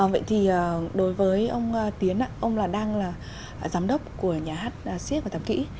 vậy thì đối với ông tiến ạ ông là đang là giám đốc của nhà hát siếc và tạm kỹ